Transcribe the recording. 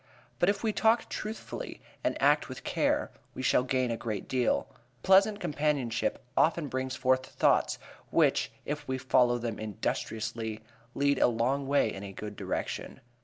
But if we talk truthfully and act with care, we shall gain a great deal. Pleasant companionship often brings forth thoughts which if we follow them industriously, lead a long way in a good direction.